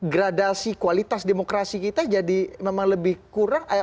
gradasi kualitas demokrasi kita jadi memang lebih kurang